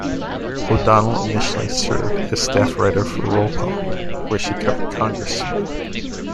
O'Donnell initially served as staff writer for "Roll Call", where she covered Congress.